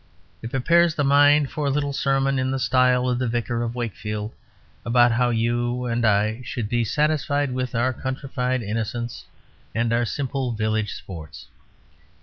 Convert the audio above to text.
It prepares the mind for a little sermon in the style of the Vicar of Wakefield about how you and I should be satisfied with our countrified innocence and our simple village sports.